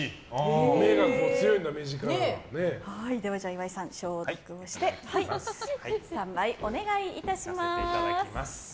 岩井さん、消毒をしてスタンバイお願いいたします。